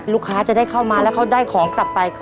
ลูกค้าจะได้เข้ามาแล้วเขาได้ของกลับไป